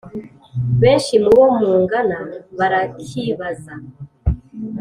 Benshi mu bo mungana barakibaza.